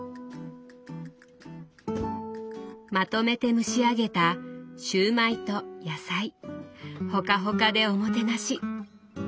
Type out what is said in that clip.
まとめて蒸し上げたシューマイと野菜ほかほかでおもてなし。